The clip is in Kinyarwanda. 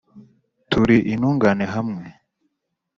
turi intungane hamwe.